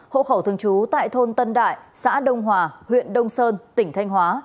hộ khẩu thường trú tại thôn tân đại xã đông hòa huyện đông sơn tỉnh thanh hóa